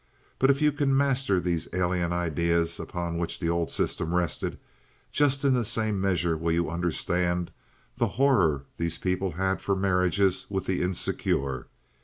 But, if you can master these alien ideas upon which the old system rested, just in the same measure will you understand the horror these people had for marriages with the Insecure.